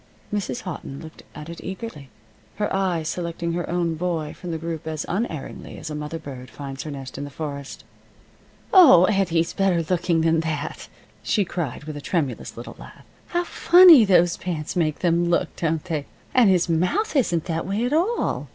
Mrs. Houghton looked at it eagerly, her eye selecting her own boy from the group as unerringly as a mother bird finds her nest in the forest. "Oh, Eddie's better looking than that!" she cried, with a tremulous little laugh. "How funny those pants make them look, don't they? And his mouth isn't that way, at all.